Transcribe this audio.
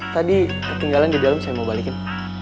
tadi ketinggalan di dalam saya mau balikin